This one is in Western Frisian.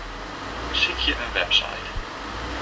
Sykje in website.